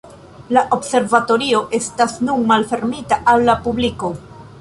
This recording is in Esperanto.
La observatorio estas nun malfermita al la publiko.